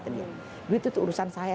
duit itu urusan saya